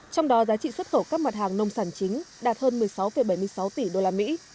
trong đó giá trị xuất khẩu các mặt hàng nông sản chính đạt hơn một mươi sáu bảy mươi sáu tỷ đô la mỹ